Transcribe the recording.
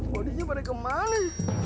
bodinya pada kemana